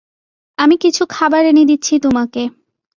আমি কিছু খাবার এনে দিচ্ছি তোমাকে।